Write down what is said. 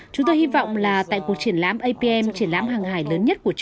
chúng tôi hy vọng là tại cuộc triển lãm apm triển lãm hàng hải lớn nhất của việt nam